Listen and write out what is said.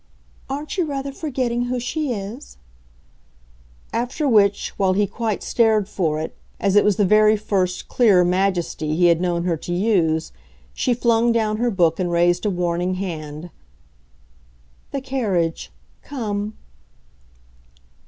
"Aren't you rather forgetting who she is?" After which, while he quite stared for it, as it was the very first clear majesty he had known her to use, she flung down her book and raised a warning hand. "The carriage. Come!"